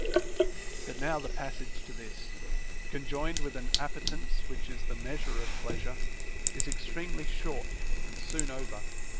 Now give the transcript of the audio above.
But now the passage to this, conjoined with an appetence which is the measure of pleasure, is extremely short and soon over.